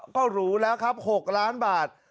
ก็หรูแล้วครับ๖ล้านบาท